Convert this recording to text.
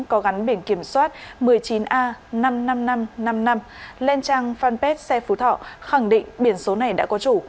có gắn biển kiểm soát một mươi chín a năm mươi năm nghìn năm trăm năm mươi năm lên trang fanpage xe phú thọ khẳng định biển số này đã có chủ